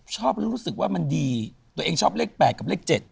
ชอบแล้วรู้สึกว่ามันดีตัวเองชอบเลข๘กับเลข๗